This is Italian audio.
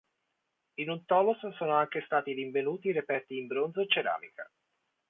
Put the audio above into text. In un tholos sono anche stati rinvenuti reperti in bronzo e ceramica.